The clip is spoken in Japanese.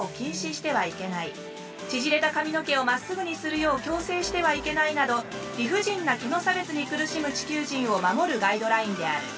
縮れた髪の毛をまっすぐにするよう強制してはいけないなど理不尽な毛の差別に苦しむ地球人を守るガイドラインである。